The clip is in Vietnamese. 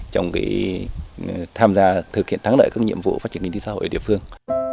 trong tham gia thực hiện thắng lợi các nhiệm vụ phát triển kinh tế xã hội ở địa phương